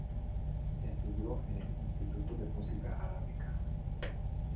Estudió en el "Instituto de Música Arábica.